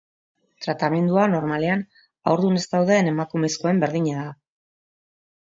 Tratamendua normalean haurdun ez dauden emakumezkoen berdina da.